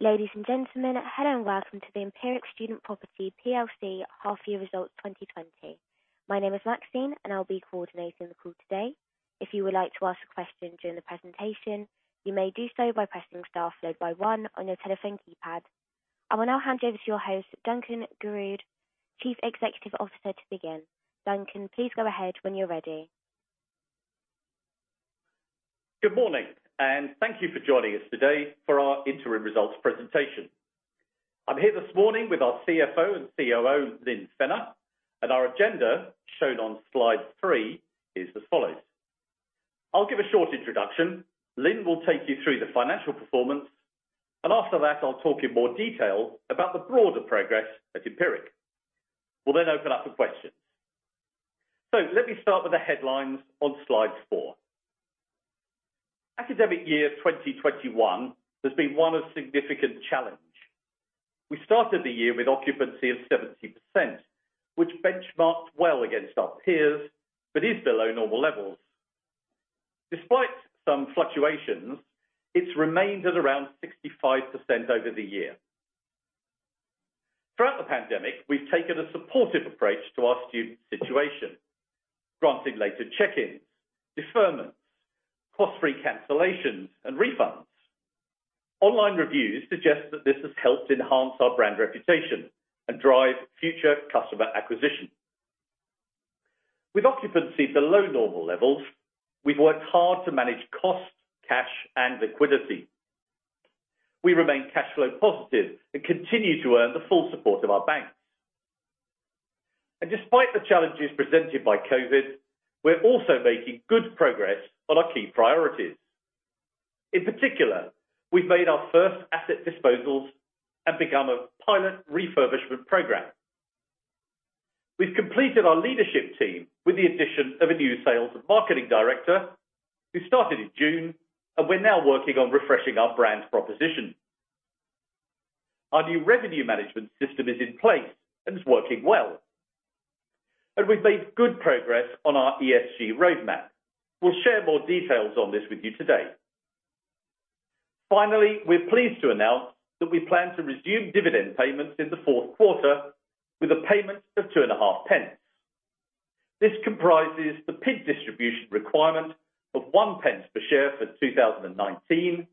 Ladies and gentlemen, hello and welcome to the Empiric Student Property PLC Half Year Results 2020. My name is Maxine, and I'll be coordinating the call today. If you would like to ask a question during the presentation, you may do so by pressing star 1 on your telephone keypad. I will now hand over to your host, Duncan Garrood, Chief Executive Officer, to begin. Duncan, please go ahead when you're ready. Good morning, thank you for joining us today for our interim results presentation. I'm here this morning with our CFO and COO, Lynne Fennah. Our agenda, shown on slide three, is as follows. I'll give a short introduction. Lynne will take you through the financial performance. After that, I'll talk in more detail about the broader progress at Empiric. We'll open up for questions. Let me start with the headlines on slide four. Academic year 2021 has been one of significant challenge. We started the year with occupancy of 70%, which benchmarked well against our peers but is below normal levels. Despite some fluctuations, it's remained at around 65% over the year. Throughout the pandemic, we've taken a supportive approach to our student situation, granting later check-ins, deferments, cost-free cancellations, and refunds. Online reviews suggest that this has helped enhance our brand reputation and drive future customer acquisition. With occupancy below normal levels, we've worked hard to manage costs, cash, and liquidity. Despite the challenges presented by COVID, we're also making good progress on our key priorities. In particular, we've made our first asset disposals and begun a pilot refurbishment program. We've completed our leadership team with the addition of a new sales and marketing director, who started in June, and we're now working on refreshing our brand proposition. Our new revenue management system is in place and is working well. We've made good progress on our ESG roadmap. We'll share more details on this with you today. Finally, we're pleased to announce that we plan to resume dividend payments in the fourth quarter with a payment of 0.025. This comprises the PID distribution requirement of 0.01 per share for 2019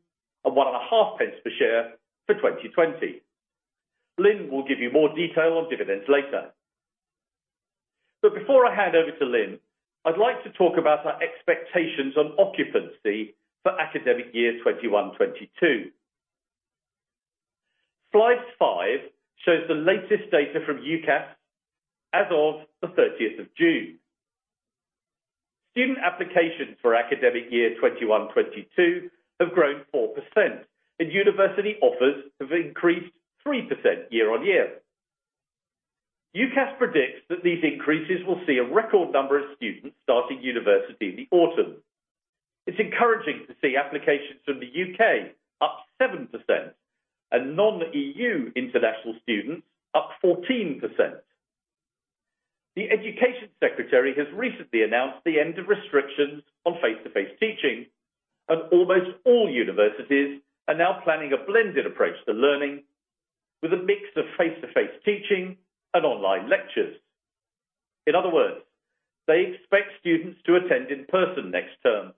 and 0.015 per share for 2020. Lynne will give you more detail on dividends later. Before I hand over to Lynne, I'd like to talk about our expectations on occupancy for academic year 2021-2022. Slide five, shows the latest data from UCAS as of the 30th of June. Student applications for academic year 2021-2022 have grown 4%, and university offers have increased 3% year-on-year. UCAS predicts that these increases will see a record number of students starting university in the autumn. It's encouraging to see applications from the U.K. up 7% and non-EU international students up 14%. The Education Secretary has recently announced the end of restrictions on face-to-face teaching, and almost all universities are now planning a blended approach to learning with a mix of face-to-face teaching and online lectures. In other words, they expect students to attend in person next term,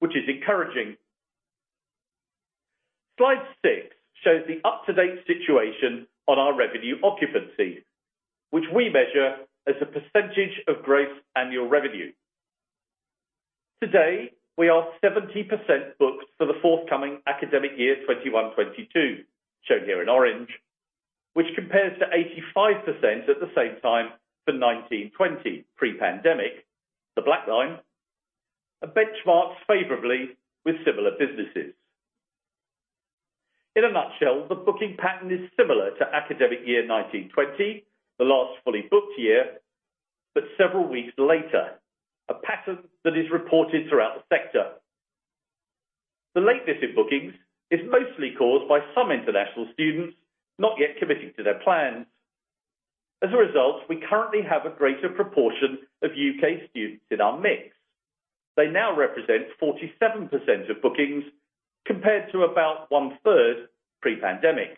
which is encouraging. Slide six, shows the up-to-date situation on our revenue occupancy, which we measure as a % of gross annual revenue. Today, we are 70% booked for the forthcoming academic year 2021-2022, shown here in orange, which compares to 85% at the same time for 2019-2020 pre-pandemic, the black line, and benchmarks favorably with similar businesses. In a nutshell, the booking pattern is similar to academic year 2019-2020, the last fully booked year, but several weeks later, a pattern that is reported throughout the sector. The lateness in bookings is mostly caused by some international students not yet committing to their plans. As a result, we currently have a greater proportion of U.K. students in our mix. They now represent 47% of bookings, compared to about one-third pre-pandemic.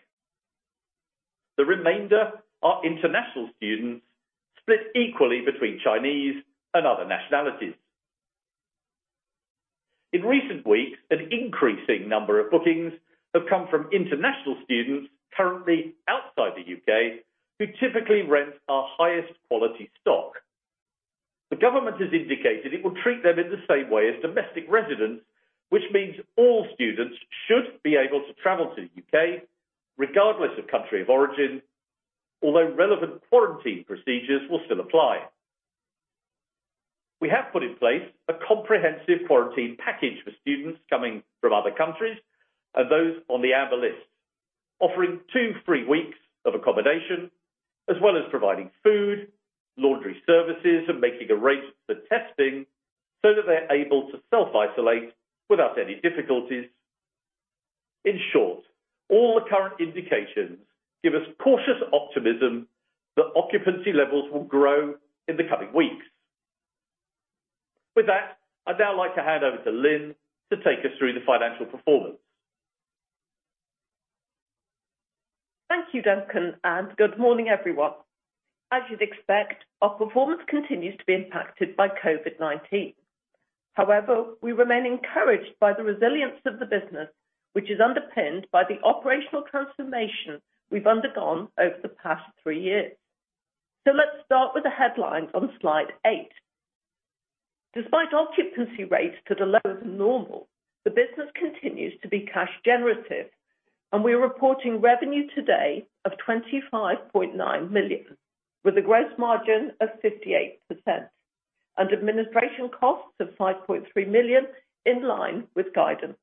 The remainder are international students, split equally between Chinese and other nationalities. In recent weeks, an increasing number of bookings have come from international students currently outside the U.K. who typically rent our highest quality stock. The government has indicated it will treat them in the same way as domestic residents, which means all students should be able to travel to the U.K. regardless of country of origin, although relevant quarantine procedures will still apply. We have put in place a comprehensive quarantine package for students coming from other countries and those on the amber list, offering two free weeks of accommodation, as well as providing food, laundry services, and making arrangements for testing so that they're able to self-isolate without any difficulties. In short, all the current indications give us cautious optimism that occupancy levels will grow in the coming weeks. With that, I'd now like to hand over to Lynne to take us through the financial performance. Thank you, Duncan, and good morning, everyone. As you'd expect, our performance continues to be impacted by COVID-19. However, we remain encouraged by the resilience of the business, which is underpinned by the operational transformation we've undergone over the past three years. Let's start with the headlines on slide eight. Despite occupancy rates to the lower than normal, the business continues to be cash generative, and we are reporting revenue today of 25.9 million, with a gross margin of 58%, and administration costs of 5.3 million, in line with guidance.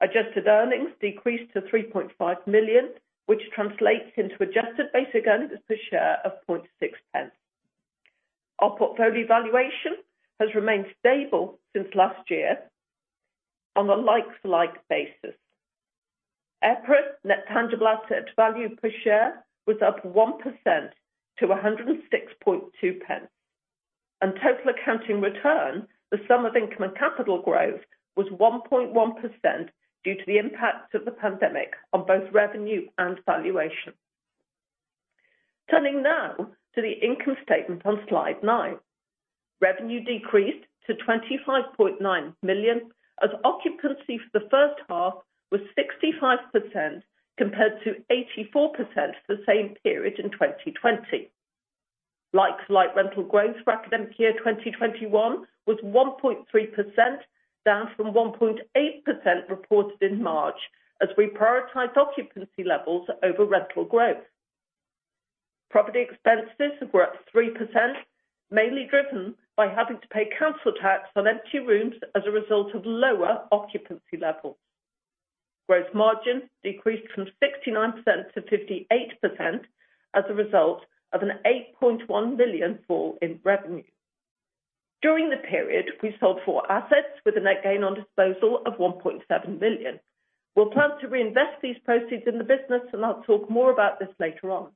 Adjusted earnings decreased to 3.5 million, which translates into adjusted basic earnings per share of GBP 0.6p. Our portfolio valuation has remained stable since last year on a like-for-like basis. EPRA net tangible asset value per share was up 1% to GBP 106.2p. Total accounting return, the sum of income and capital growth, was 1.1% due to the impact of the pandemic on both revenue and valuation. Turning now to the income statement on slide nine. Revenue decreased to 25.9 million, as occupancy for the first half was 65% compared to 84% for the same period in 2020. Like-for-like rental growth for academic year 2021 was 1.3%, down from 1.8% reported in March, as we prioritize occupancy levels over rental growth. Property expenses were up 3%, mainly driven by having to pay council tax on empty rooms as a result of lower occupancy levels. Gross margin decreased from 69% to 58% as a result of a 8.1 million fall in revenue. During the period, we sold four assets with a net gain on disposal of 1.7 million. I'll talk more about this later on.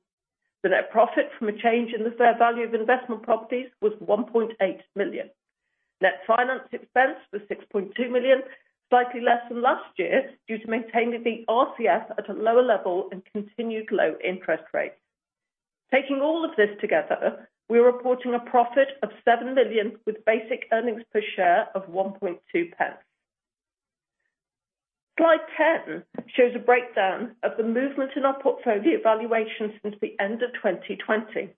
The net profit from a change in the fair value of investment properties was 1.8 million. Net finance expense was 6.2 million, slightly less than last year due to maintaining the RCF at a lower level and continued low interest rates. Taking all of this together, we are reporting a profit of 7 million with basic earnings per share of 0.012. Slide 10 shows a breakdown of the movement in our portfolio valuation since the end of 2020.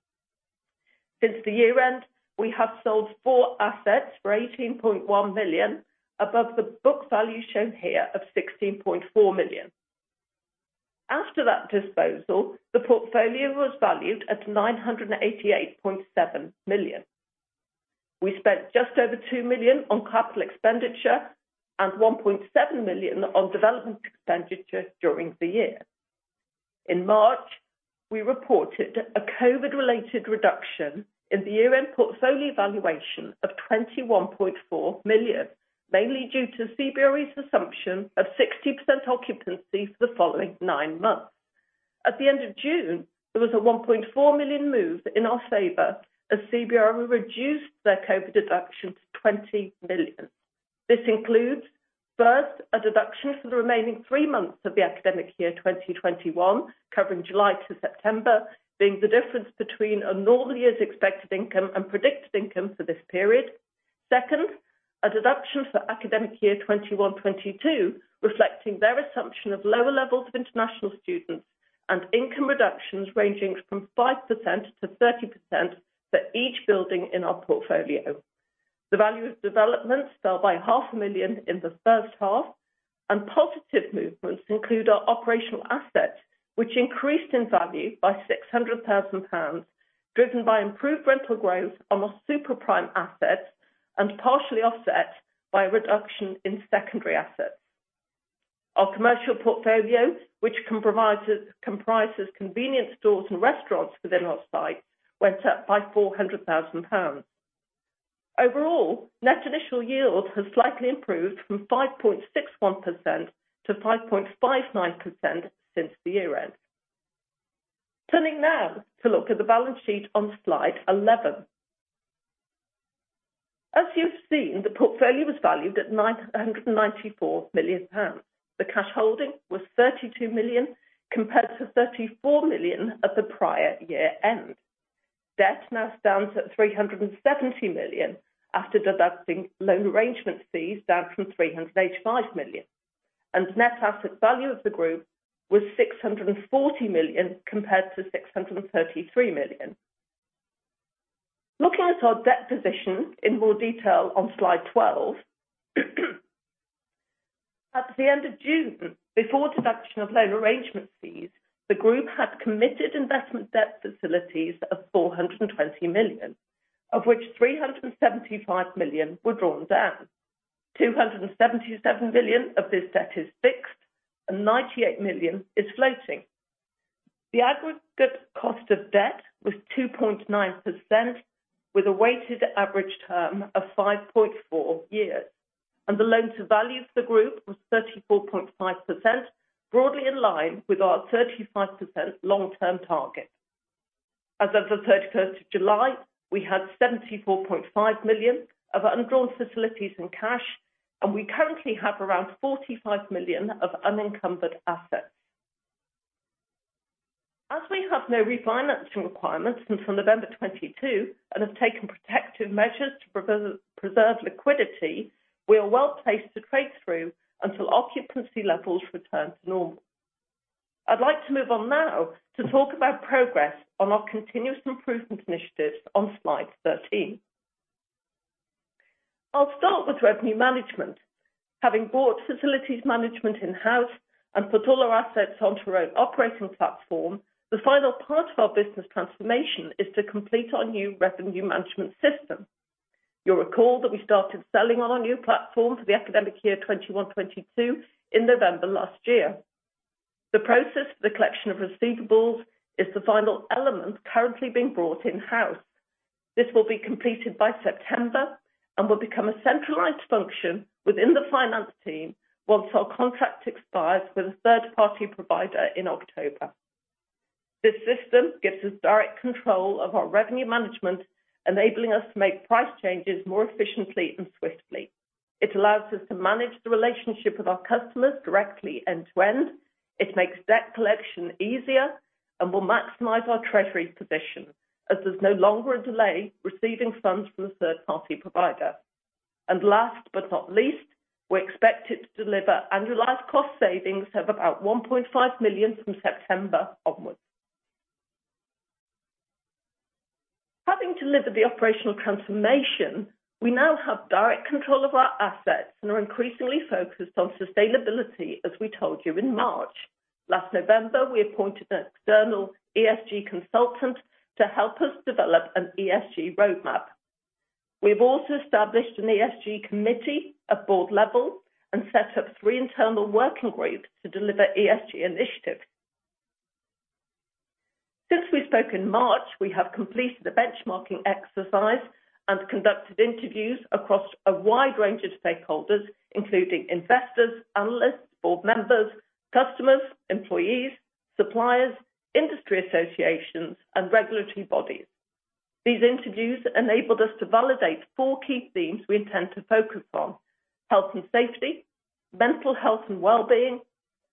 Since the year-end, we have sold four assets for 18.1 million above the book value shown here of 16.4 million. After that disposal, the portfolio was valued at 988.7 million. We spent just over 2 million on capital expenditure and 1.7 million on development expenditure during the year. In March, we reported a COVID-related reduction in the year-end portfolio valuation of 21.4 million, mainly due to CBRE's assumption of 60% occupancy for the following nine months. At the end of June, there was a 1.4 million move in our favor as CBRE reduced their COVID deduction to 20 million. This includes, first, a deduction for the remaining three months of the academic year 2021, covering July to September, being the difference between a normal year's expected income and predicted income for this period. Second, a deduction for academic year 2021-2022, reflecting their assumption of lower levels of international students and income reductions ranging from 5%-30% for each building in our portfolio. The value of developments fell by GBP half a million in the first half, and positive movements include our operational assets, which increased in value by 600,000 pounds, driven by improved rental growth amongst Super Prime assets and partially offset by a reduction in secondary assets. Our commercial portfolio, which comprises convenience stores and restaurants within our site, went up by 400,000 pounds. Overall, net initial yield has slightly improved from 5.61% to 5.59% since the year-end. Turning now to look at the balance sheet on slide 11. As you've seen, the portfolio was valued at 994 million pounds. The cash holding was 32 million compared to 34 million at the prior year-end. Debt now stands at 370 million after deducting loan arrangement fees down from 385 million, and net asset value of the group was 640 million compared to 633 million. Looking at our debt position in more detail on slide 12. At the end of June, before deduction of loan arrangement fees, the group had committed investment debt facilities of 420 million, of which 375 million were drawn down. 277 million of this debt is fixed and 98 million is floating. The aggregate cost of debt was 2.9% with a weighted average term of 5.4 years, and the loan to value of the group was 34.5%, broadly in line with our 35% long-term target. As of the 31st of July, we had 74.5 million of undrawn facilities and cash, and we currently have around 45 million of unencumbered assets. As we have no refinancing requirements since November 2022 and have taken protective measures to preserve liquidity, we are well-placed to trade through until occupancy levels return to normal. I'd like to move on now to talk about progress on our continuous improvement initiatives on slide 13. I'll start with revenue management. Having brought facilities management in-house and put all our assets onto our own operating platform, the final part of our business transformation is to complete our new revenue management system. You'll recall that we started selling on our new platform for the academic year 2021, 2022 in November last year. The process for the collection of receivables is the final element currently being brought in-house. This will be completed by September and will become a centralized function within the finance team once our contract expires with a third-party provider in October. This system gives us direct control of our revenue management, enabling us to make price changes more efficiently and swiftly. It allows us to manage the relationship with our customers directly end to end. It makes debt collection easier and will maximize our treasury position, as there's no longer a delay receiving funds from the third-party provider. Last but not least, we're expected to deliver annualized cost savings of about 1.5 million from September onwards. Having delivered the operational transformation, we now have direct control of our assets and are increasingly focused on sustainability, as we told you in March. Last November, we appointed an external ESG consultant to help us develop an ESG roadmap. We have also established an ESG committee at board level and set up three internal working groups to deliver ESG initiatives. Since we spoke in March, we have completed a benchmarking exercise and conducted interviews across a wide range of stakeholders, including investors, analysts, board members, customers, employees, suppliers, industry associations, and regulatory bodies. These interviews enabled us to validate four key themes we intend to focus on: health and safety, mental health and wellbeing,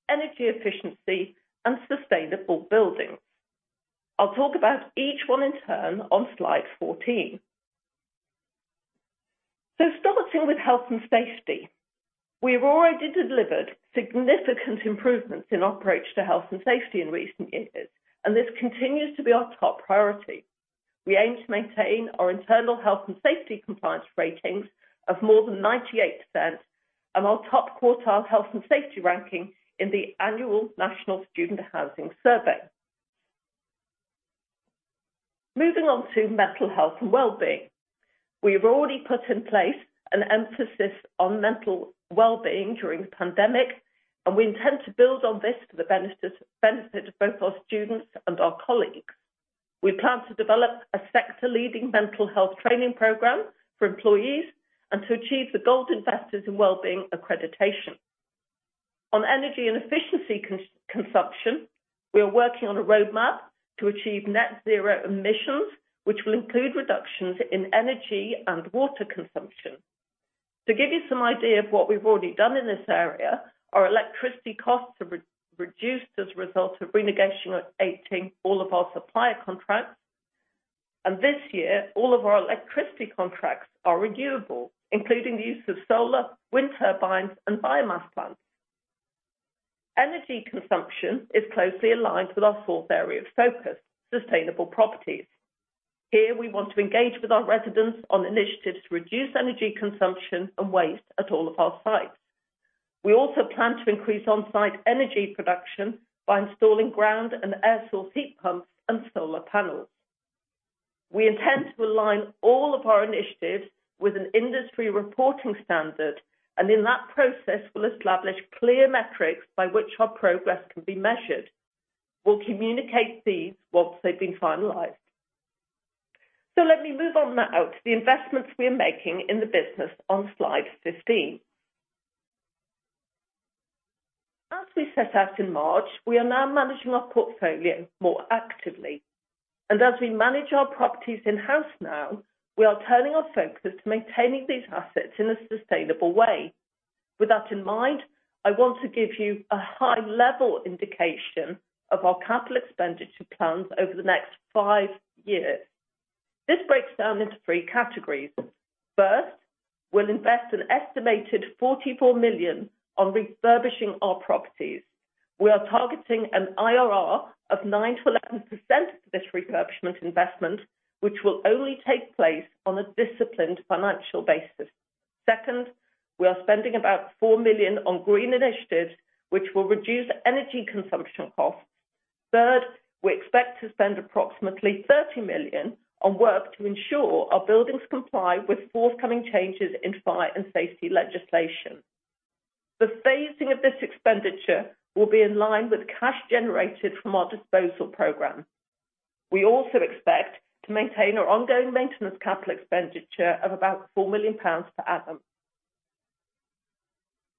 energy efficiency, and sustainable buildings. I'll talk about each one in turn on slide 14. Starting with health and safety. We have already delivered significant improvements in our approach to health and safety in recent years, and this continues to be our top priority. We aim to maintain our internal health and safety compliance ratings of more than 98% and our top quartile health and safety ranking in the annual National Student Housing Survey. Moving on to mental health and wellbeing. We have already put in place an emphasis on mental wellbeing during the pandemic, and we intend to build on this for the benefit of both our students and our colleagues. We plan to develop a sector-leading mental health training program for employees and to achieve the gold We Invest in Wellbeing accreditation. On energy and efficiency consumption, we are working on a roadmap to achieve net zero emissions, which will include reductions in energy and water consumption. To give you some idea of what we've already done in this area, our electricity costs have reduced as a result of renegotiating all of our supplier contracts. This year, all of our electricity contracts are renewable, including the use of solar, wind turbines, and biomass plants. Energy consumption is closely aligned with our fourth area of focus, sustainable properties. Here, we want to engage with our residents on initiatives to reduce energy consumption and waste at all of our sites. We also plan to increase on-site energy production by installing ground and air source heat pumps and solar panels. We intend to align all of our initiatives with an industry reporting standard, and in that process, we'll establish clear metrics by which our progress can be measured. We'll communicate these once they've been finalized. Let me move on now to the investments we are making in the business on slide 15. As we set out in March, we are now managing our portfolio more actively, and as we manage our properties in-house now, we are turning our focus to maintaining these assets in a sustainable way. With that in mind, I want to give you a high-level indication of our capital expenditure plans over the next five years. This breaks down into three categories. First, we will invest an estimated 44 million on refurbishing our properties. We are targeting an IRR of 9%-11% for this refurbishment investment, which will only take place on a disciplined financial basis. Second, we are spending about 4 million on green initiatives, which will reduce energy consumption costs. Third, we expect to spend approximately 30 million on work to ensure our buildings comply with forthcoming changes in fire and safety legislation. The phasing of this expenditure will be in line with cash generated from our disposal program. We also expect to maintain our ongoing maintenance capital expenditure of about 4 million pounds per annum.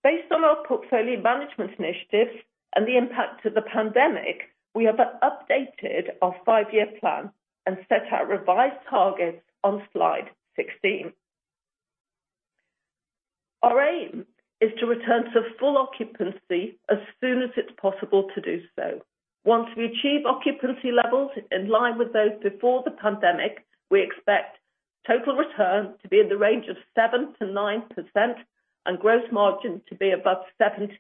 Based on our portfolio management initiatives and the impact of the pandemic, we have updated our five-year plan and set out revised targets on slide 16. Our aim is to return to full occupancy as soon as it's possible to do so. Once we achieve occupancy levels in line with those before the pandemic, we expect total return to be in the range of 7%-9% and gross margin to be above 70%.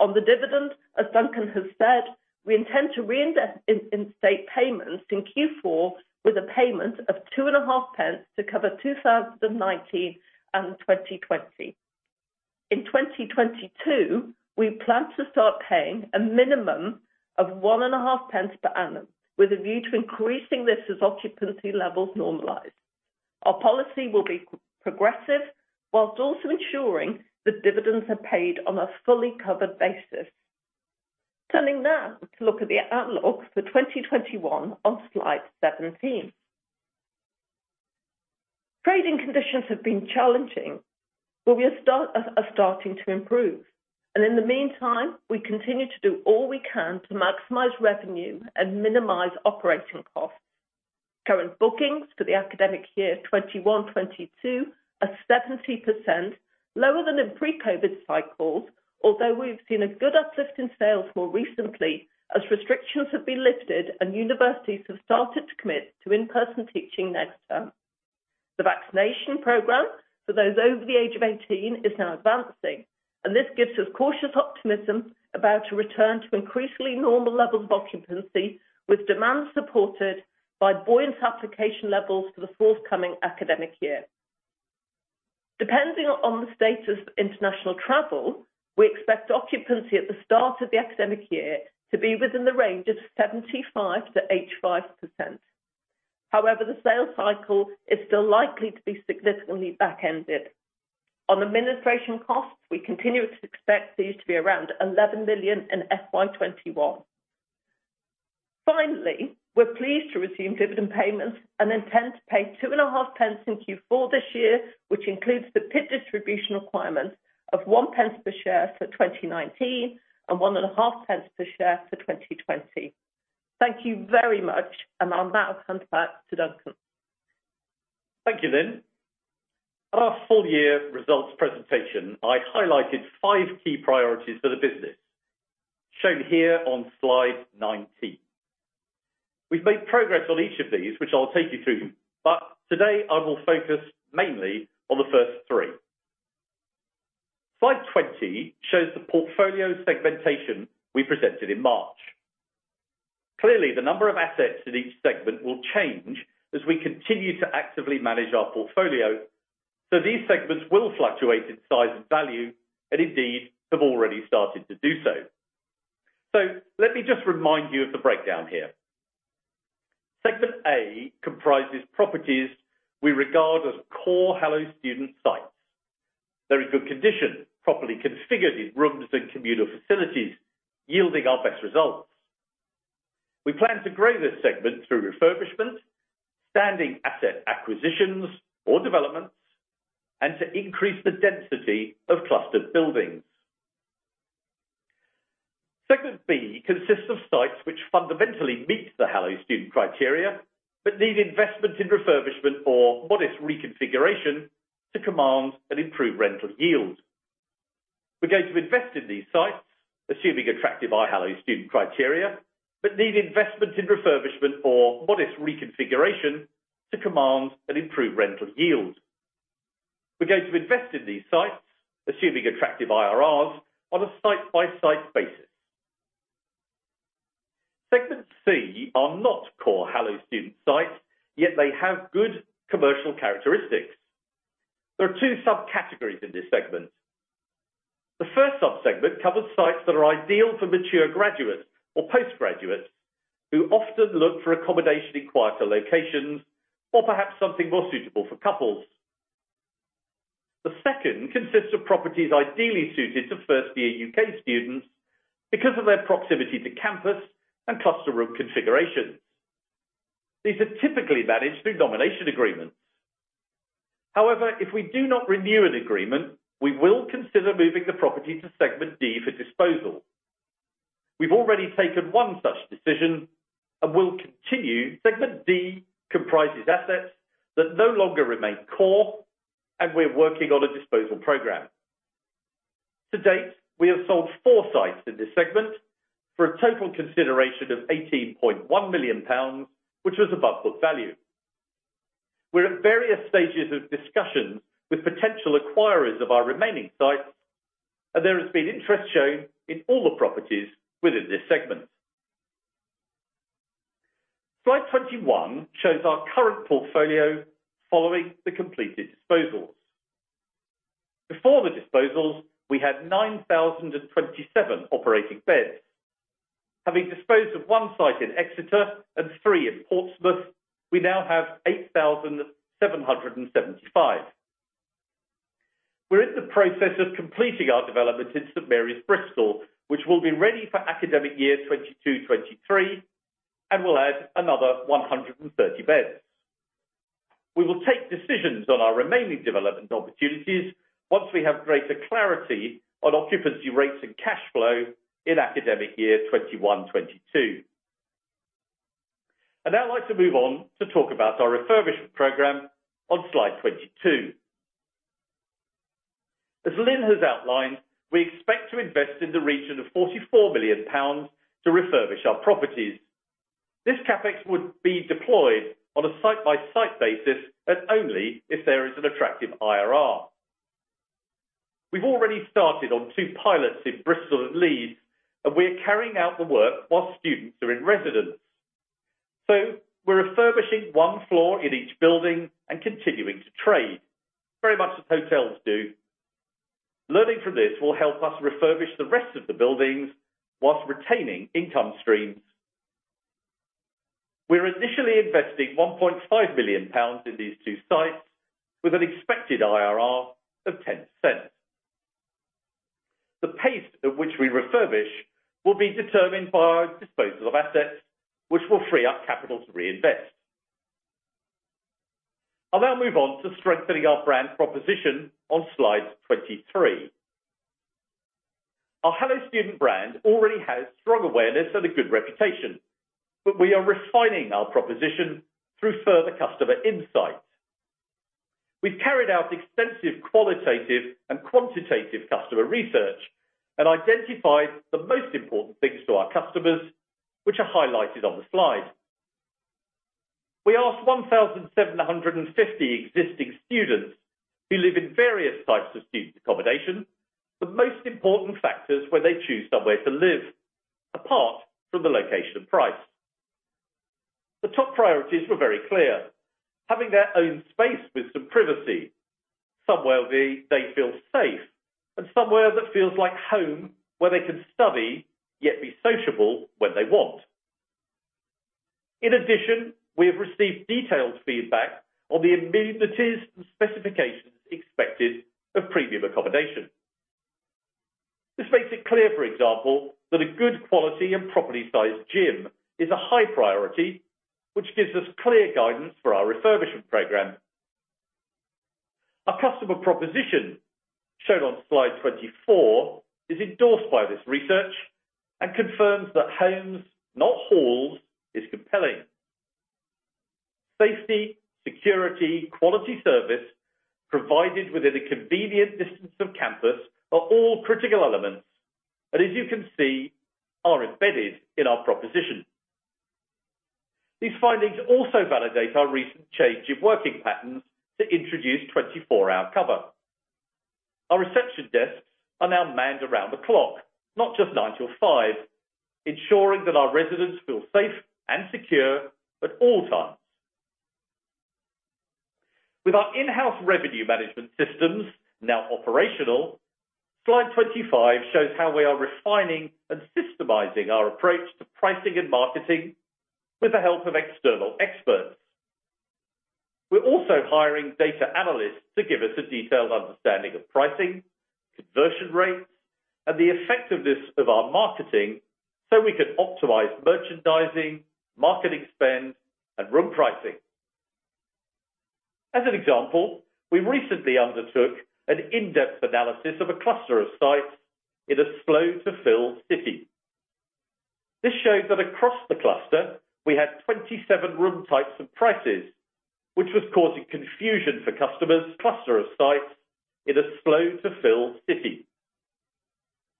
On the dividend, as Duncan has said, we intend to reinstate payments in Q4 with a payment of 0.025 to cover 2019 and 2020. In 2022, we plan to start paying a minimum of 0.015 per annum, with a view to increasing this as occupancy levels normalize. Our policy will be progressive whilst also ensuring that dividends are paid on a fully covered basis. Turning now to look at the outlook for 2021 on slide 17. Trading conditions have been challenging, but we are starting to improve, and in the meantime, we continue to do all we can to maximize revenue and minimize operating costs. Current bookings for the academic year 2021, 2022 are 70% lower than in pre-COVID cycles, although we've seen a good uplift in sales more recently as restrictions have been lifted and universities have started to commit to in-person teaching next term. The vaccination program for those over the age of 18 is now advancing, and this gives us cautious optimism about a return to increasingly normal levels of occupancy, with demand supported by buoyant application levels for the forthcoming academic year. Depending on the status of international travel, we expect occupancy at the start of the academic year to be within the range of 75%-85%. However, the sales cycle is still likely to be significantly back-ended. On administration costs, we continue to expect these to be around 11 million in FY 2021. We're pleased to resume dividend payments and intend to pay two and a half pence in Q4 this year, which includes the PID distribution requirement of 0.01 per share for 2019 and one and a half pence per share for 2020. Thank you very much. I'll now hand back to Duncan. Thank you, Lynne. At our full year results presentation, I highlighted five key priorities for the business, shown here on slide 19. We've made progress on each of these, which I'll take you through, but today I will focus mainly on the first three. Slide 20 shows the portfolio segmentation we presented in March. Clearly, the number of assets in each segment will change as we continue to actively manage our portfolio, so these segments will fluctuate in size and value and indeed have already started to do so. Let me just remind you of the breakdown here. Segment A comprises properties we regard as core Hello Student sites. They're in good condition, properly configured in rooms and communal facilities, yielding our best results. We plan to grow this segment through refurbishment, standing asset acquisitions or developments, and to increase the density of clustered buildings. Segment B consists of sites which fundamentally meet the Hello Student criteria, but need investment in refurbishment or modest reconfiguration to command an improved rental yield. We're going to invest in these sites, assuming attractive Hello Student criteria, but need investment in refurbishment or modest reconfiguration to command an improved rental yield. We're going to invest in these sites, assuming attractive IRRs, on a site-by-site basis. Segments C are not core Hello Student sites, yet they have good commercial characteristics. There are two subcategories in this segment. The first sub-segment covers sites that are ideal for mature graduates or postgraduates who often look for accommodation in quieter locations or perhaps something more suitable for couples. The second consists of properties ideally suited to first-year U.K. students because of their proximity to campus and cluster room configurations. These are typically managed through nomination agreements. If we do not renew an agreement, we will consider moving the property to Segment D for disposal. We've already taken one such decision and will continue. Segment D comprises assets that no longer remain core, and we're working on a disposal program. To date, we have sold four sites in this Segment for a total consideration of 18.1 million pounds, which was above book value. We're at various stages of discussions with potential acquirers of our remaining sites, and there has been interest shown in all the properties within this Segment. Slide 21 shows our current portfolio following the completed disposals. Before the disposals, we had 9,027 operating beds. Having disposed of one site in Exeter and three in Portsmouth, we now have 8,775. We're in the process of completing our development in St Mary's, Bristol, which will be ready for academic year 2022, 2023 and will add another 130 beds. We will take decisions on our remaining development opportunities once we have greater clarity on occupancy rates and cash flow in academic year 2021/2022. I'd now like to move on to talk about our refurbishment program on slide 22. As Lynne has outlined, we expect to invest in the region of 44 million pounds to refurbish our properties. This CapEx would be deployed on a site-by-site basis, and only if there is an attractive IRR. We've already started on two pilots in Bristol and Leeds, and we are carrying out the work while students are in residence. We're refurbishing one floor in each building and continuing to trade, very much as hotels do. Learning from this will help us refurbish the rest of the buildings whilst retaining income streams. We are initially investing 1.5 million pounds in these two sites with an expected IRR of 10%. The pace at which we refurbish will be determined by our disposal of assets, which will free up capital to reinvest. I'll now move on to strengthening our brand proposition on slide 23. Our Hello Student brand already has strong awareness and a good reputation, but we are refining our proposition through further customer insights. We've carried out extensive qualitative and quantitative customer research and identified the most important things to our customers, which are highlighted on the slide. We asked 1,750 existing students who live in various types of student accommodation the most important factors where they choose somewhere to live, apart from the location and price. The top priorities were very clear. Having their own space with some privacy, somewhere they feel safe, and somewhere that feels like home, where they can study yet be sociable when they want. In addition, we have received detailed feedback on the amenities and specifications expected of premium accommodation. This makes it clear, for example, that a good quality and properly sized gym is a high priority, which gives us clear guidance for our refurbishment program. Our customer proposition, shown on slide 24, is endorsed by this research and confirms that homes, not halls, is compelling. Safety, security, quality service provided within a convenient distance of campus are all critical elements, and as you can see, are embedded in our proposition. These findings also validate our recent change of working patterns to introduce 24-hour cover. Our reception desks are now manned around the clock, not just 9:00-5:00, ensuring that our residents feel safe and secure at all times. With our in-house revenue management systems now operational, slide 25 shows how we are refining and systemizing our approach to pricing and marketing with the help of external experts. We're also hiring data analysts to give us a detailed understanding of pricing, conversion rates, and the effectiveness of our marketing so we can optimize merchandising, marketing spend, and room pricing. As an example, we recently undertook an in-depth analysis of a cluster of sites in a slow-to-fill city. This showed that across the cluster, we had 27 room types and prices, which was causing confusion for customers. Cluster of sites in a slow-to-fill city.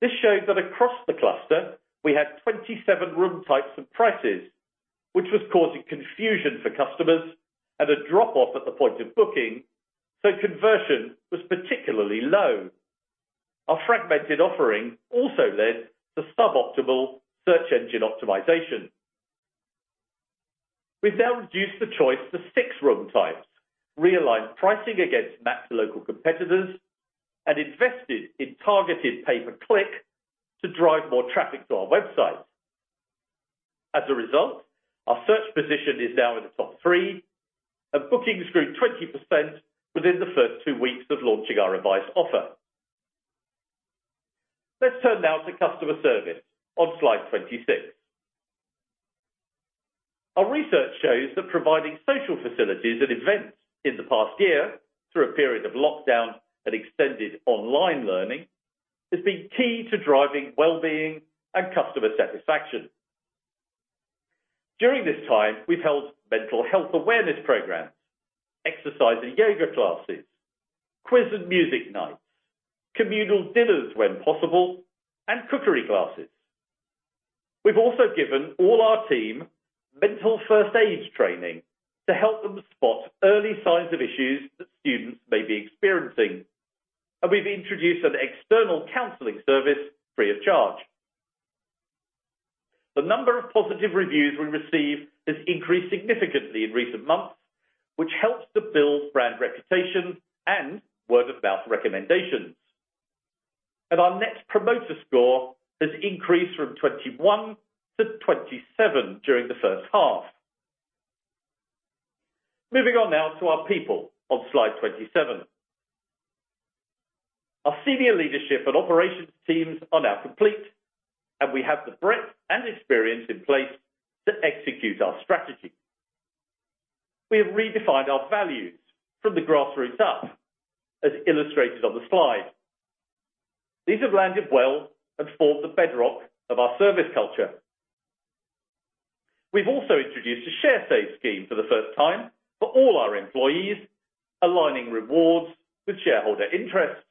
This showed that across the cluster, we had 27 room types and prices, which was causing confusion for customers and a drop-off at the point of booking, so conversion was particularly low. Our fragmented offering also led to suboptimal search engine optimization. We've now reduced the choice to six room types, realigned pricing against matched local competitors, and invested in targeted pay-per-click to drive more traffic to our website. As a result, our search position is now in the top three, and bookings grew 20% within the first two weeks of launching our revised offer. Let's turn now to customer service on slide 26. Our research shows that providing social facilities and events in the past year, through a period of lockdown and extended online learning, has been key to driving wellbeing and customer satisfaction. During this time, we've held mental health awareness programs, exercise and yoga classes, quiz and music nights, communal dinners when possible, and cookery classes. We've also given all our team mental first aid training to help them spot early signs of issues that students may be experiencing. We've introduced an external counseling service free of charge. The number of positive reviews we receive has increased significantly in recent months, which helps to build brand reputation and word-of-mouth recommendations. Our Net Promoter Score has increased from 21 to 27 during the first half. Moving on now to our people on slide 27. Our senior leadership and operations teams are now complete, and we have the breadth and experience in place to execute our strategy. We have redefined our values from the grassroots up, as illustrated on the slide. These have landed well and form the bedrock of our service culture. We've also introduced a sharesave scheme for the first time for all our employees, aligning rewards with shareholder interests.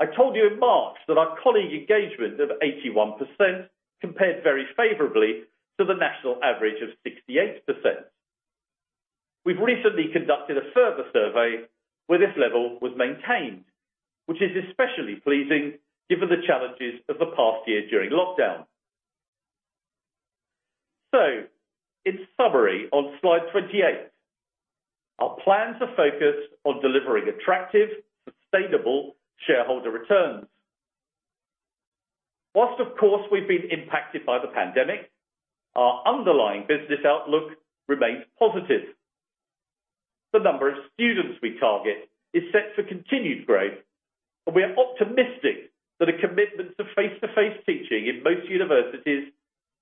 I told you in March that our colleague engagement of 81% compared very favorably to the national average of 68%. We've recently conducted a further survey where this level was maintained, which is especially pleasing given the challenges of the past year during lockdown. In summary, on slide 28, our plans are focused on delivering attractive, sustainable shareholder returns. Whilst of course we've been impacted by the pandemic, our underlying business outlook remains positive. The number of students we target is set for continued growth, and we are optimistic that a commitment to face-to-face teaching in most universities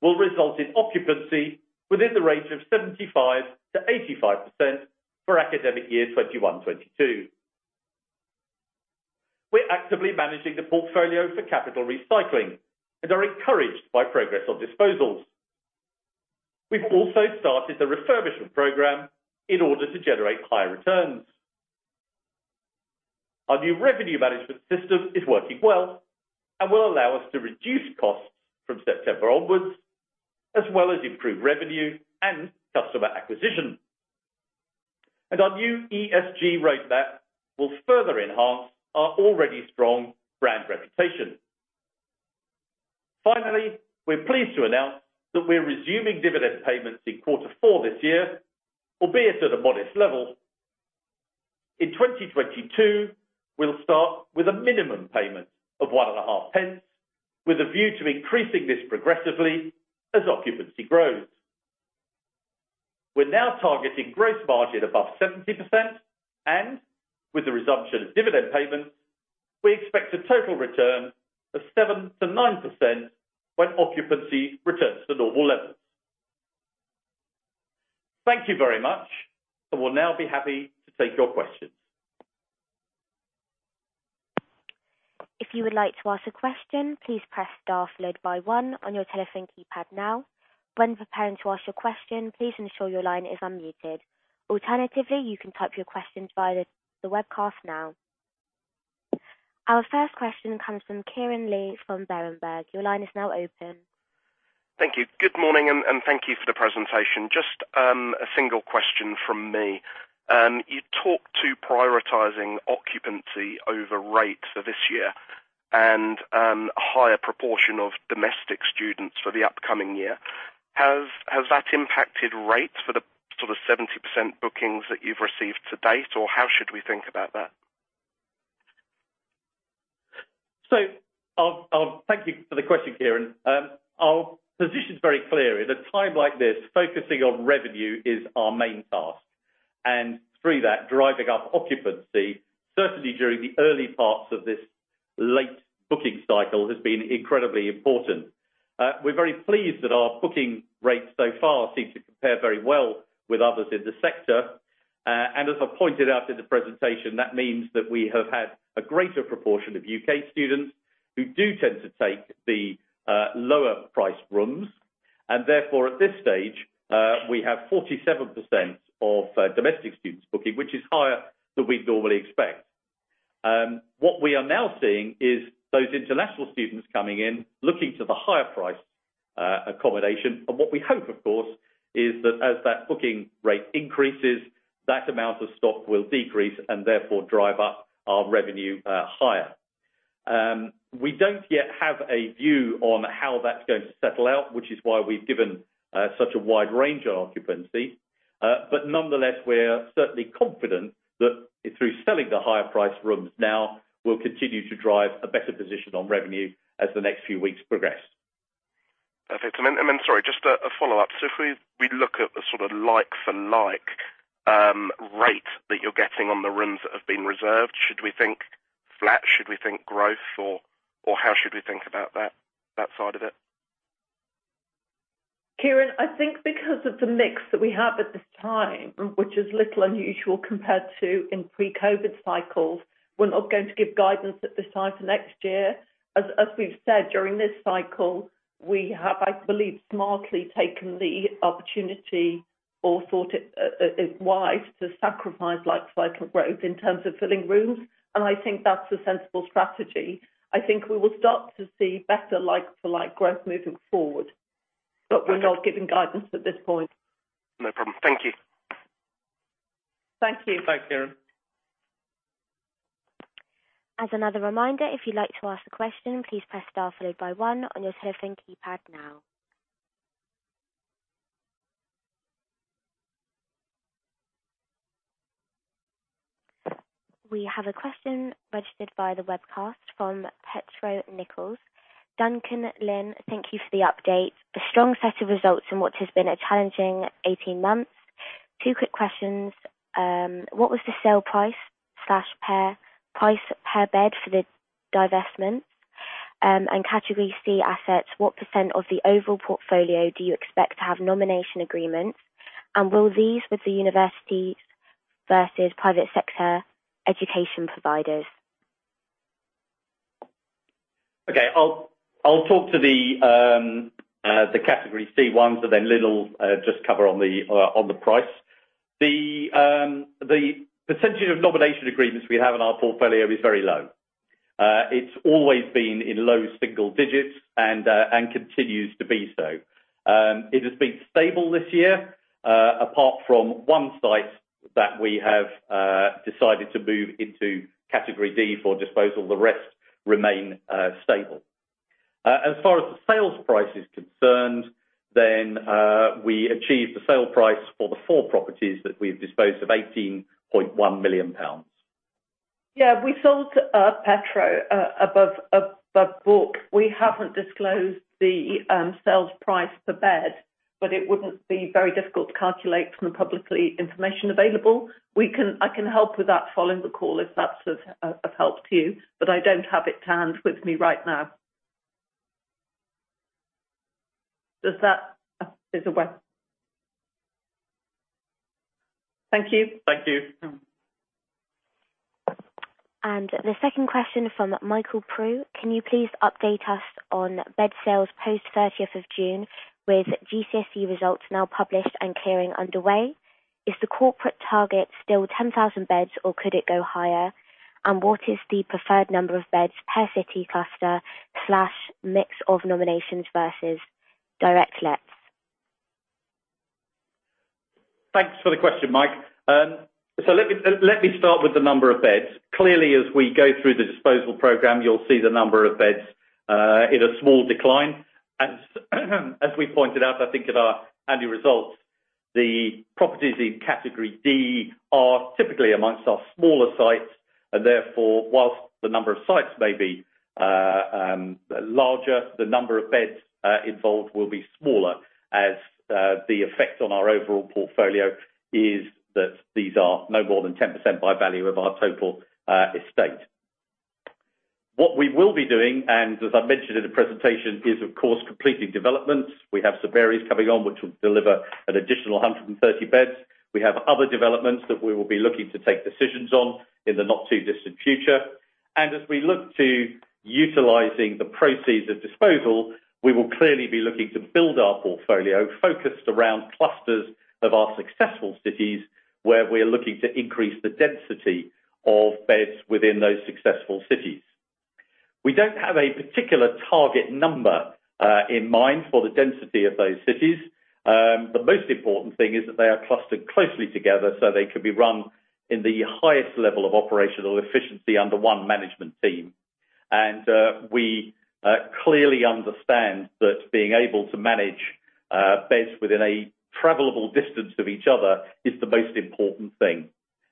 will result in occupancy within the range of 75%-85% for academic year 2021, 2022. We're actively managing the portfolio for capital recycling and are encouraged by progress on disposals. We've also started a refurbishment program in order to generate higher returns. Our new revenue management system is working well and will allow us to reduce costs from September onwards, as well as improve revenue and customer acquisition. Our new ESG roadmap will further enhance our already strong brand reputation. Finally, we're pleased to announce that we're resuming dividend payments in quarter four this year, albeit at a modest level. In 2022, we'll start with a minimum payment of 0.015, with a view to increasing this progressively as occupancy grows. We're now targeting gross margin above 70%, and with the resumption of dividend payments, we expect a total return of 7%-9% when occupancy returns to normal levels. Thank you very much, and we'll now be happy to take your questions. Our first question comes from Kieran Lee from Berenberg. Your line is now open. Thank you. Good morning, thank you for the presentation. Just a single question from me. You talked to prioritizing occupancy over rates for this year and a higher proportion of domestic students for the upcoming year. Has that impacted rates for the sort of 70% bookings that you've received to date? How should we think about that? Thank you for the question, Kieran. Our position is very clear. At a time like this, focusing on revenue is our main task, and through that, driving up occupancy, certainly during the early parts of this late booking cycle, has been incredibly important. We're very pleased that our booking rates so far seem to compare very well with others in the sector. As I pointed out in the presentation, that means that we have had a greater proportion of U.K. students who do tend to take the lower priced rooms. Therefore, at this stage, we have 47% of domestic students booking, which is higher than we'd normally expect. What we are now seeing is those international students coming in, looking to the higher priced accommodation. What we hope, of course, is that as that booking rate increases, that amount of stock will decrease and therefore drive up our revenue higher. We don't yet have a view on how that's going to settle out, which is why we've given such a wide range of occupancy. Nonetheless, we're certainly confident that through selling the higher priced rooms now, we'll continue to drive a better position on revenue as the next few weeks progress. Perfect. Sorry, just a follow-up. If we look at the sort of like-for-like rate that you're getting on the rooms that have been reserved, should we think flat? Should we think growth? How should we think about that side of it? Kieran, I think because of the mix that we have at this time, which is a little unusual compared to in pre-COVID cycles, we're not going to give guidance at this time for next year. As we've said during this cycle, we have, I believe, smartly taken the opportunity or thought it wise to sacrifice like-for-like growth in terms of filling rooms, and I think that's a sensible strategy. I think we will start to see better like-for-like growth moving forward, but we're not giving guidance at this point. No problem. Thank you. Thank you. Thanks, Kieran. We have a question registered via the webcast from Petro Nichols. Duncan, Lynne, thank you for the update. A strong set of results in what has been a challenging 18 months. Two quick questions. What was the sale price/fair price per bed for the divestment? Category C assets, what percent of the overall portfolio do you expect to have nomination agreements, and will these with the universities versus private sector education providers? Okay. I'll talk to the category C ones, then Lynne'll just cover on the price. The percentage of nomination agreements we have in our portfolio is very low. It's always been in low single digits and continues to be so. It has been stable this year, apart from one site that we have decided to move into category D for disposal. The rest remain stable. As far as the sales price is concerned, we achieved the sale price for the four properties that we've disposed of, 18.1 million pounds. We sold Petro above book. We haven't disclosed the sales price per bed. It wouldn't be very difficult to calculate from the public information available. I can help with that following the call if that's of help to you. I don't have it to hand with me right now. Thank you. Thank you. The second question from Michael Prew. Can you please update us on bed sales post-30th of June with A-level results now published and clearing underway? Is the corporate target still 10,000 beds or could it go higher? What is the preferred number of beds per city cluster/mix of nominations versus direct lets? Thanks for the question, Mike. Let me start with the number of beds. Clearly, as we go through the disposal program, you will see the number of beds in a small decline. As we pointed out, I think, at our annual results, the properties in category D are typically amongst our smaller sites, and therefore, whilst the number of sites may be larger, the number of beds involved will be smaller as the effect on our overall portfolio is that these are no more than 10% by value of our total estate. What we will be doing, and as I mentioned in the presentation, is of course completing developments. We have some areas coming on which will deliver an additional 130 beds. We have other developments that we will be looking to take decisions on in the not-too-distant future. As we look to utilizing the proceeds of disposal, we will clearly be looking to build our portfolio focused around clusters of our successful cities, where we are looking to increase the density of beds within those successful cities. We don't have a particular target number in mind for the density of those cities. The most important thing is that they are clustered closely together so they can be run in the highest level of operational efficiency under one management team. We clearly understand that being able to manage beds within a travelable distance of each other is the most important thing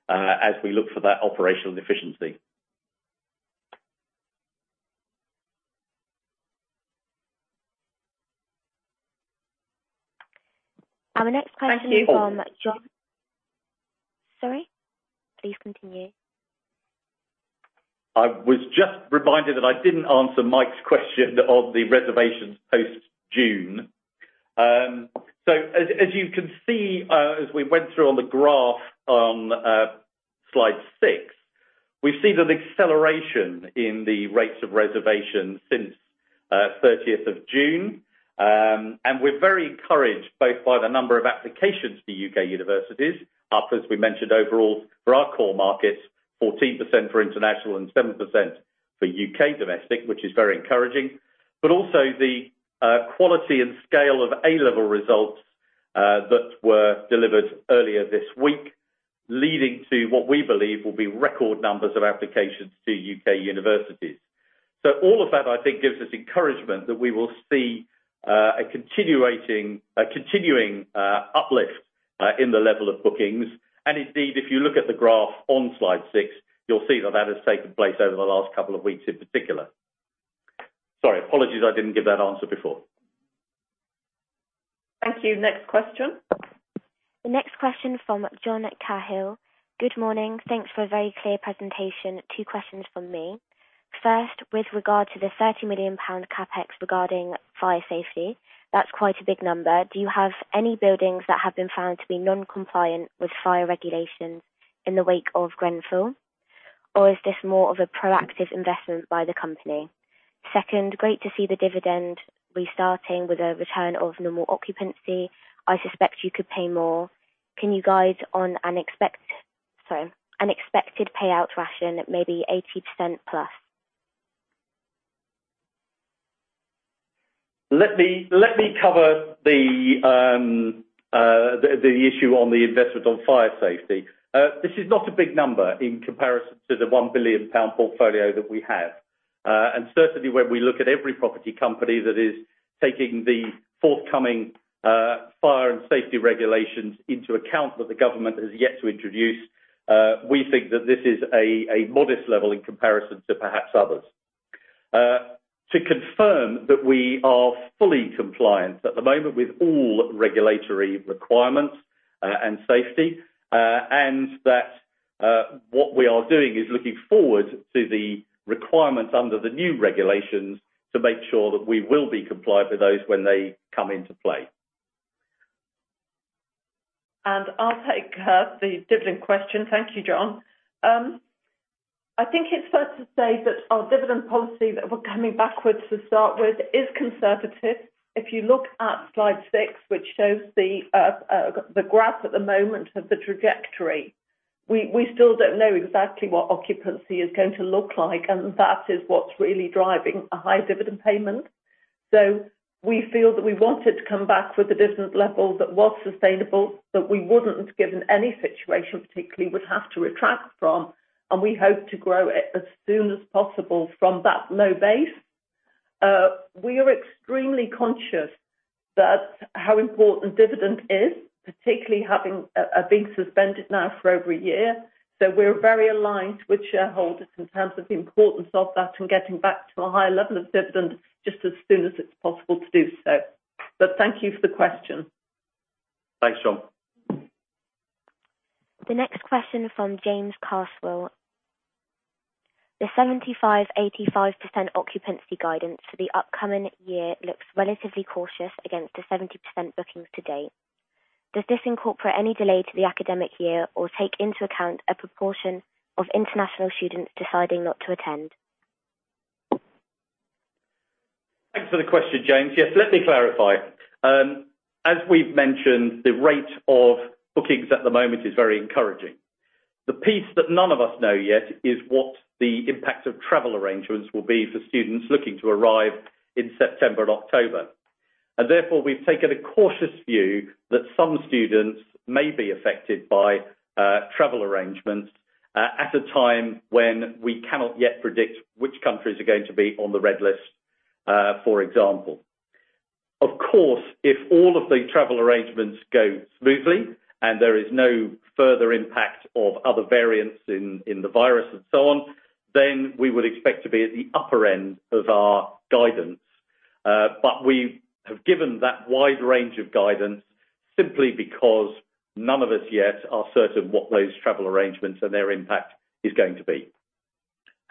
as we look for that operational efficiency. Our next question is from John. Thank you. Sorry. Please continue. I was just reminded that I didn't answer Mike's question on the reservations post-June. As you can see, as we went through on the graph on slide six, we've seen an acceleration in the rates of reservations since 30th of June. We're very encouraged both by the number of applications to U.K. universities, up as we mentioned overall for our core markets, 14% for international and 7% for U.K. domestic, which is very encouraging, but also the quality and scale of A-level results that were delivered earlier this week, leading to what we believe will be record numbers of applications to U.K. universities. All of that, I think, gives us encouragement that we will see a continuing uplift in the level of bookings. Indeed, if you look at the graph on slide six, you'll see that has taken place over the last couple of weeks in particular. Sorry, apologies I didn't give that answer before. Thank you. Next question. The next question from John Cahill. Good morning. Thanks for a very clear presentation. Two questions from me. First, with regard to the 30 million pound CapEx regarding fire safety, that's quite a big number. Do you have any buildings that have been found to be non-compliant with fire regulations in the wake of Grenfell? Is this more of a proactive investment by the company? Second, great to see the dividend restarting with a return of normal occupancy. I suspect you could pay more. Can you guide on an expected payout ratio, maybe 80%+? Let me cover the issue on the investment on fire safety. This is not a big number in comparison to the 1 billion pound portfolio that we have. Certainly, when we look at every property company that is taking the forthcoming fire and safety regulations into account that the government has yet to introduce, we think that this is a modest level in comparison to perhaps others. To confirm that we are fully compliant at the moment with all regulatory requirements and safety, and that what we are doing is looking forward to the requirements under the new regulations to make sure that we will be compliant with those when they come into play. I'll take the dividend question. Thank you, John. I think it's fair to say that our dividend policy that we're coming backwards to start with is conservative. If you look at slide six, which shows the graph at the moment of the trajectory, we still don't know exactly what occupancy is going to look like, that is what's really driving a high dividend payment. We feel that we wanted to come back with a dividend level that was sustainable, that we wouldn't have given any situation, particularly would have to retract from, we hope to grow it as soon as possible from that low base. We are extremely conscious that how important dividend is, particularly having been suspended now for over a year. We're very aligned with shareholders in terms of the importance of that and getting back to a higher level of dividend just as soon as it's possible to do so. Thank you for the question. Thanks, John. The next question from James Carswell. The 75%-85% occupancy guidance for the upcoming year looks relatively cautious against the 70% bookings to date. Does this incorporate any delay to the academic year or take into account a proportion of international students deciding not to attend? Thanks for the question, James. Yes, let me clarify. As we've mentioned, the rate of bookings at the moment is very encouraging. The piece that none of us know yet is what the impact of travel arrangements will be for students looking to arrive in September and October. Therefore, we've taken a cautious view that some students may be affected by travel arrangements at a time when we cannot yet predict which countries are going to be on the red list, for example. Of course, if all of the travel arrangements go smoothly and there is no further impact of other variants in the virus and so on, then we would expect to be at the upper end of our guidance. We have given that wide range of guidance simply because none of us yet are certain what those travel arrangements and their impact is going to be.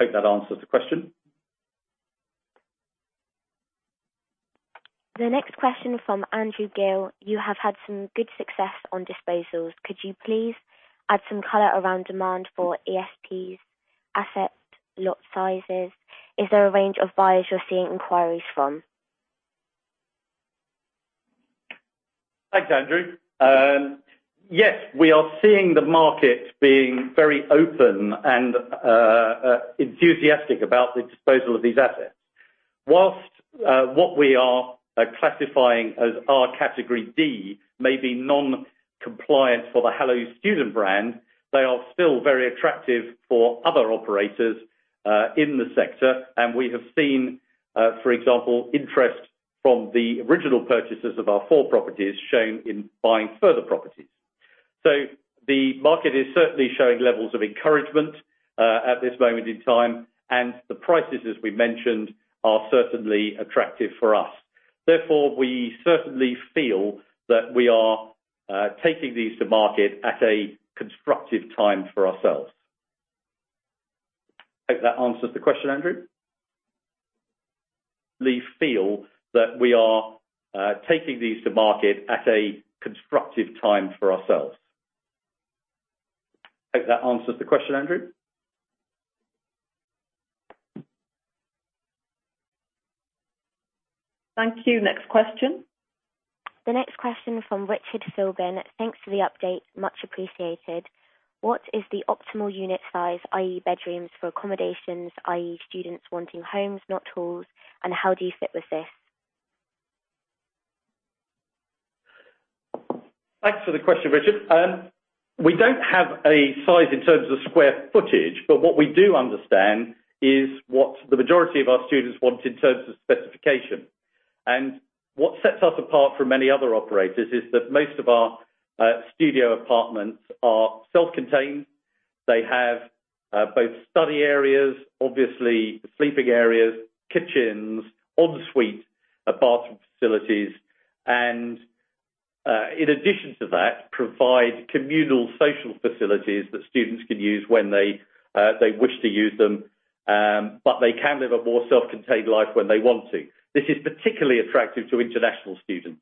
Hope that answers the question. The next question from Andrew Gill. You have had some good success on disposals. Could you please add some color around demand for ESP's asset lot sizes? Is there a range of buyers you're seeing inquiries from? Thanks, Andrew. Yes, we are seeing the market being very open and enthusiastic about the disposal of these assets. While what we are classifying as our category D may be non-compliant for the Hello Student brand, they are still very attractive for other operators in the sector, and we have seen, for example, interest from the original purchasers of our four properties shown in buying further properties. So the market is certainly showing levels of encouragement at this moment in time, and the prices, as we mentioned, are certainly attractive for us. Therefore, we certainly feel that we are taking these to market at a constructive time for ourselves. Hope that answers the question, Andrew. We feel that we are taking these to market at a constructive time for ourselves. Hope that answers the question, Andrew. Thank you. Next question. The next question from Richard Philbin. Thanks for the update. Much appreciated. What is the optimal unit size, i.e., bedrooms for accommodations, i.e., students wanting homes, not halls, and how do you fit with this? Thanks for the question, Richard. We don't have a size in terms of square footage, but what we do understand is what the majority of our students want in terms of specification. What sets us apart from many other operators is that most of our studio apartments are self-contained. They have both study areas, obviously sleeping areas, kitchens, en suite bathroom facilities, and in addition to that, provide communal social facilities that students can use when they wish to use them, but they can live a more self-contained life when they want to. This is particularly attractive to international students.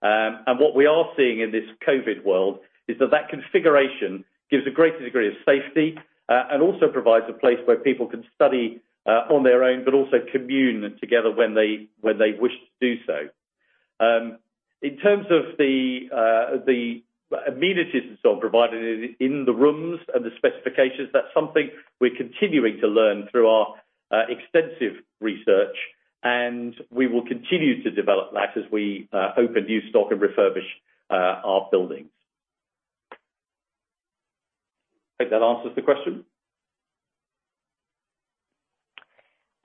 What we are seeing in this COVID world is that configuration gives a greater degree of safety and also provides a place where people can study on their own, but also commune together when they wish to do so. In terms of the amenities and so provided in the rooms and the specifications, that's something we're continuing to learn through our extensive research, and we will continue to develop that as we open new stock and refurbish our buildings. Hope that answers the question.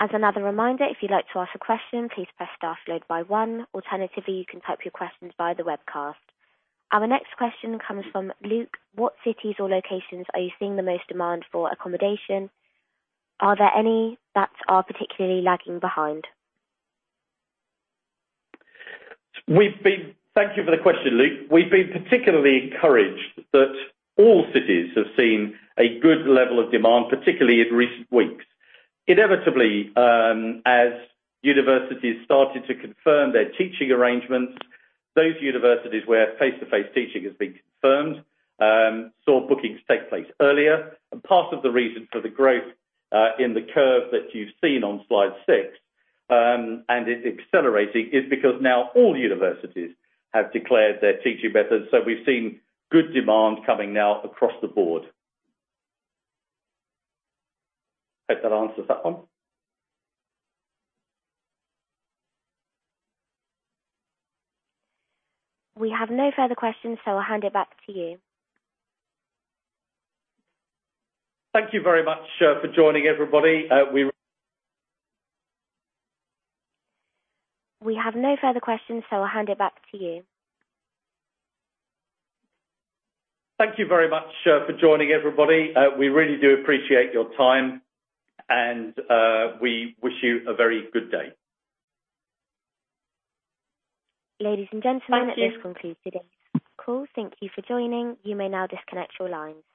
As another reminder, if you'd like to ask a question, please press star followed by one. Alternatively, you can type your questions via the webcast. Our next question comes from Luke. What cities or locations are you seeing the most demand for accommodation? Are there any that are particularly lagging behind? Thank you for the question, Luke. We've been particularly encouraged that all cities have seen a good level of demand, particularly in recent weeks. Inevitably, as universities started to confirm their teaching arrangements, those universities where face-to-face teaching has been confirmed, saw bookings take place earlier. Part of the reason for the growth in the curve that you've seen on slide six, and it's accelerating, is because now all universities have declared their teaching methods. We've seen good demand coming now across the board. Hope that answers that one. We have no further questions, so I'll hand it back to you. Thank you very much for joining everybody. We have no further questions, so I'll hand it back to you. Thank you very much for joining everybody. We really do appreciate your time and we wish you a very good day. Ladies and gentlemen. Thank you. This concludes today's call. Thank you for joining. You may now disconnect your lines.